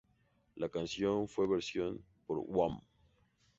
La canción fue versionada por Wham!